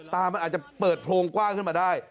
ตามันอาจจะเปิดโพรงกว้างขึ้นมาได้